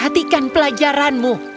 kau lihatlah pelajaranmu